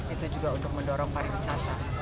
itu juga untuk mendorong para wisata